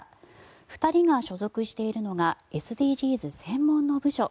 ２人が所属しているのがＳＤＧｓ専門の部署。